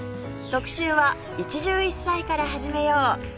特集は「一汁一菜から始めよう！」